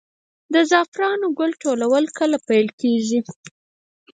د زعفرانو ګل ټولول کله پیل کیږي؟